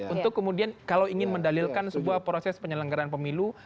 untuk kemudian kalau ingin mendalilkan sebuah proses penyelenggaran pemilu